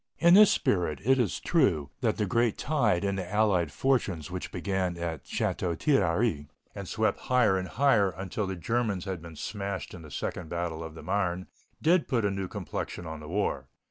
In this spirit, it is true, that the great tide in the allied fortunes which began at Château Thierry and swept higher and higher until the Germans had been smashed in the second battle of the Marne, did put a new complexion on the war.